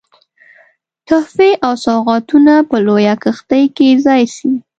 تحفې او سوغاتونه په لویه کښتۍ کې ځای سي.